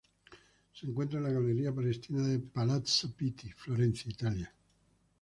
Se encuentra en la Galería Palatina de Palazzo Pitti, Florencia, Italia.